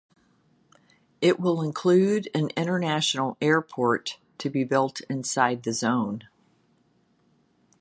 It will include an international airport to be built inside the zone.